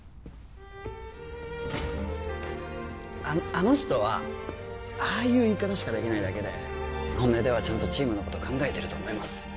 ああの人はああいう言い方しかできないだけで本音ではちゃんとチームのこと考えてると思います